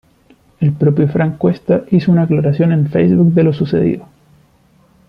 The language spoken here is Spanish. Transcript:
El propio Frank Cuesta hizo una aclaración en Facebook de lo sucedido.